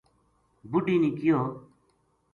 بُڈھی نے کہیو